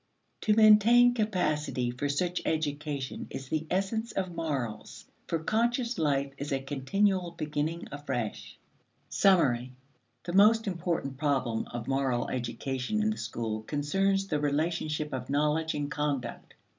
To maintain capacity for such education is the essence of morals. For conscious life is a continual beginning afresh. Summary. The most important problem of moral education in the school concerns the relationship of knowledge and conduct.